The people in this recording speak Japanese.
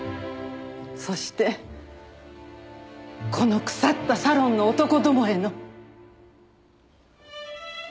そしてこの腐ったサロンの男どもへの。